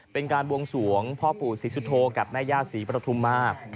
เป็นการบวงสวงพ่อปู่ศรีสุโธกับแม่ย่าศรีปฐุมมาก